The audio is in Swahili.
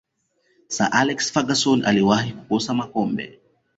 sir alex ferguson aliwahi kukosa makombe